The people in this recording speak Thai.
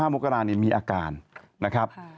๒๕มกราศนี่มีอาการนะครับ